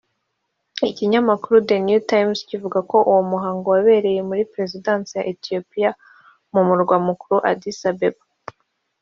Ikinyamakuru The New Times kivuga ko uwo muhango wabereye muri Perezidansi ya Ethiopia mu murwa mukuru Addis Abbeba